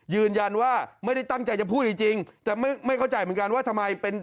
ยืนยันว่าไม่ได้ตั้งใจจะพูดจริงแต่ไม่ไม่เข้าใจเหมือนกันว่าทำไมเป็น